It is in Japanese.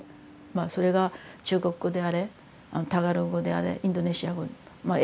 まあそれが中国語であれタガログ語であれインドネシア語まあ